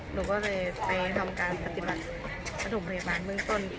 หนูก็เลยไปทำการปฏิบัติประถมพยาบาลเมืองต้น